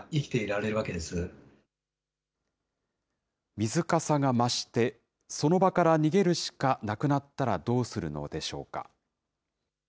水かさが増して、その場から逃げるしかなくなったらどうするのでしょうか。